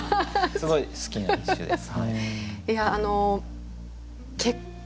すごい好きな一首です。